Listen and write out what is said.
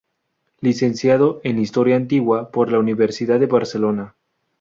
Licenciada en Historia Antigua por la Universidad de Barcelona.